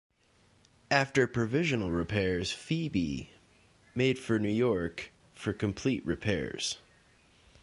After provisional repairs, "Phoebe" made for New York for complete repairs.